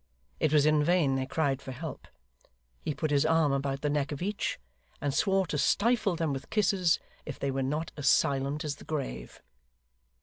It was in vain they cried for help. He put his arm about the neck of each, and swore to stifle them with kisses if they were not as silent as the grave.